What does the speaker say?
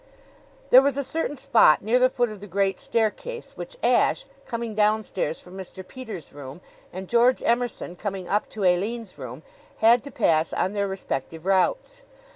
There was a certain spot near the foot of the great staircase which Ashe, coming downstairs from Mr. Peters' room, and George Emerson, coming up to Aline's room, had to pass on their respective routes.